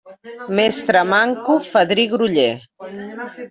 Mestre manco, fadrí groller.